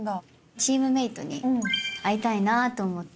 チームメートに会いたいなと思って。